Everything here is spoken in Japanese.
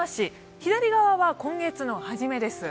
左側は今月の初めです。